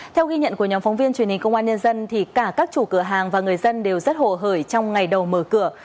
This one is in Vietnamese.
theo ghi nhận của nhóm phóng viên truyền hình công an nhân dân thì cả các chủ cửa hàng và người dân đều rất hộ hởi trong ngày đầu mở cửa